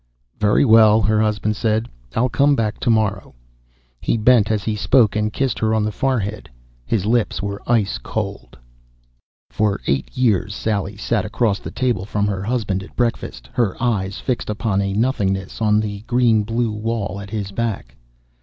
"Very well," her husband said. "I'll come back tomorrow." He bent as he spoke and kissed her on the forehead. His lips were ice cold. For eight years Sally sat across the table from her husband at breakfast, her eyes fixed upon a nothingness on the green blue wall at his back.